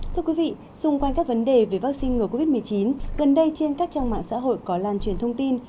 thưa quý vị xung quanh các vấn đề về vaccine ngừa covid một mươi chín gần đây trên các trang mạng xã hội có lan truyền thông tin